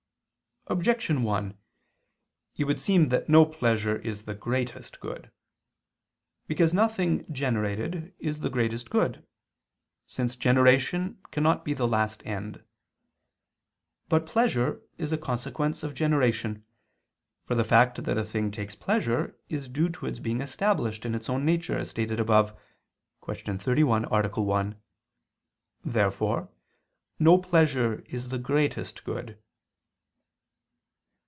Objection 1: It would seem that no pleasure is the greatest good. Because nothing generated is the greatest good: since generation cannot be the last end. But pleasure is a consequence of generation: for the fact that a thing takes pleasure is due to its being established in its own nature, as stated above (Q. 31, A. 1). Therefore no pleasure is the greatest good.